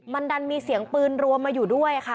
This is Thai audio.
มันดันมีเสียงปืนรวมมาอยู่ด้วยค่ะ